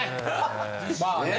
まあね。